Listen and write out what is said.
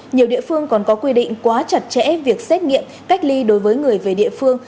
nhiều địa phương còn có quy định quá chặt chẽ việc xét nghiệm cách ly đối với người về địa phương